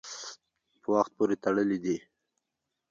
په وخت پورې تړلي دي.